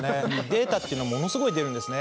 データっていうのはものすごい出るんですね。